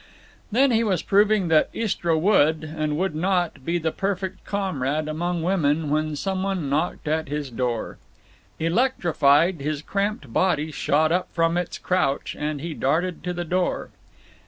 Then he was proving that Istra would, and would not, be the perfect comrade among women when some one knocked at his door. Electrified, his cramped body shot up from its crouch, and he darted to the door.